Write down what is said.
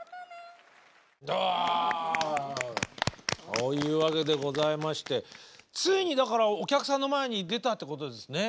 あというわけでございましてついにだからお客さんの前に出たってことですね。